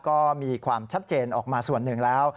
ก็มีความชัดเจนออกมาส่วนหนึ่งแล้ว